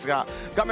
画面